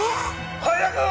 早く！